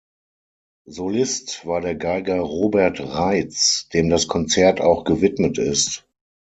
Solist war der Geiger Robert Reitz, dem das Konzert auch gewidmet ist.